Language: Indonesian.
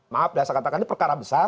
maaf ya saya katakan ini perkara besar